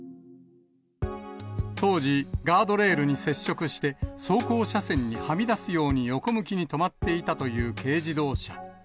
当時、ガードレールに接触して、走行車線にはみ出すように横向きに止まっていたという軽自動車。